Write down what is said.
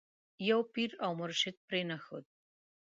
یو پیر او مرشد پرې نه ښود.